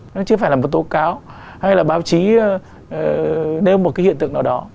nó chứ không phải là một tố cáo hay là báo chí nêu một cái hiện tượng nào đó